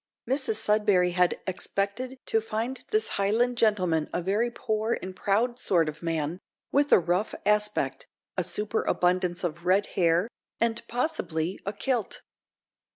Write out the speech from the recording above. Mrs Sudberry had expected to find this Highland gentleman a very poor and proud sort of man, with a rough aspect, a superabundance of red hair, and, possibly, a kilt.